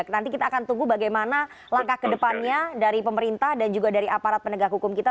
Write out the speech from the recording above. nanti kita akan tunggu bagaimana langkah ke depannya dari pemerintah dan juga dari aparat penegak hukum kita